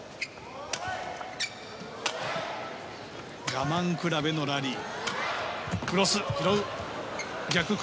我慢比べのラリー。